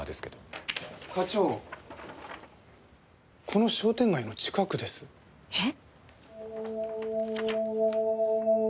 この商店街の近くです。え？